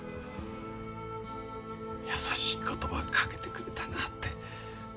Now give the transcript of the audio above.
優しい言葉かけてくれたなって。